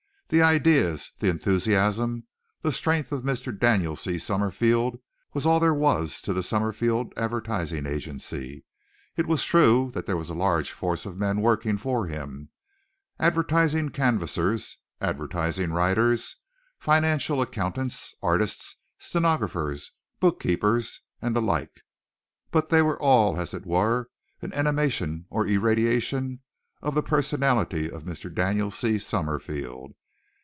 The ideas, the enthusiasm, the strength of Mr. Daniel C. Summerfield was all there was to the Summerfield Advertising Agency. It was true there was a large force of men working for him, advertising canvassers, advertising writers, financial accountants, artists, stenographers, book keepers and the like, but they were all as it were an emanation or irradiation of the personality of Mr. Daniel C. Summerfield.